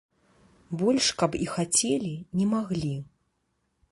Больш каб і хацелі, не маглі.